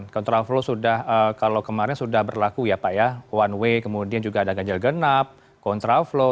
kontraflow sudah kalau kemarin sudah berlaku ya pak ya one way kemudian juga ada ganjil genap kontraflow